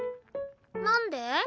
なんで？